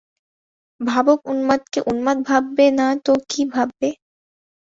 ভাবুক উন্মাদকে উন্মাদ ভাববে না তো কী ভাববে?